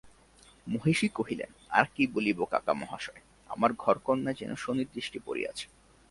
মহিষী কহিলেন, আর কী বলিব কাকামহাশয়, আমার ঘরকন্নায় যেন শনির দৃষ্টি পড়িয়াছে।